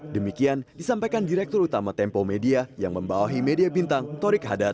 demikian disampaikan direktur utama tempo media yang membawahi media bintang torik hadar